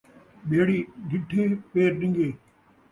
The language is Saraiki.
ٻیڑی ݙٹھے، پیر ݙنگے